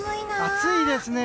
暑いですね。